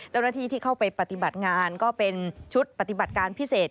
เจ้าหน้าที่ที่เข้าไปปฏิบัติงานก็เป็นชุดปฏิบัติการพิเศษ